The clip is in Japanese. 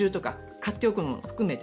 買っておくのも含めて。